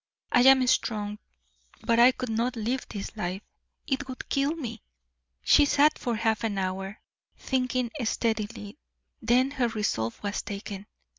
"I am strong, but I could not live this life it would kill me." She sat for half an hour, thinking steadily, then her resolve was taken.